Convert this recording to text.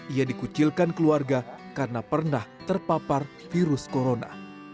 ia dikucilkan keluarga karena pernah terpapar virus corona